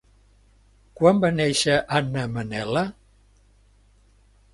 Quan va néixer Anna Manel·la?